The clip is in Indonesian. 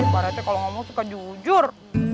pak rt kalau ngomong suka jujur